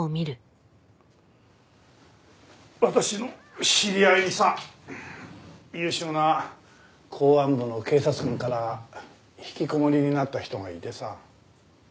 私の知り合いにさ優秀な公安部の警察官からひきこもりになった人がいてさ。